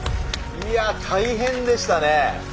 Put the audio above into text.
いや大変でしたね。